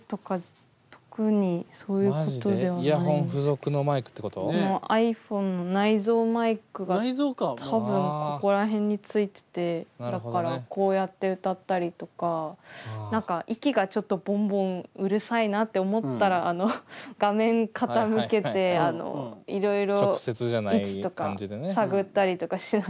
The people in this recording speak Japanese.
ボーカルもこのｉＰｈｏｎｅの内蔵マイクが多分ここら辺についててだからこうやって歌ったりとか何か息がちょっとボンボンうるさいなって思ったら画面傾けていろいろ位置とか探ったりとかしながら。